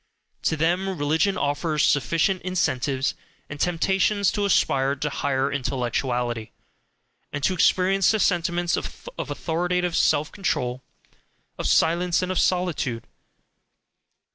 To them religion offers sufficient incentives and temptations to aspire to higher intellectuality, and to experience the sentiments of authoritative self control, of silence, and of solitude.